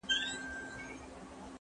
زه مخکي لوبي کړي وو،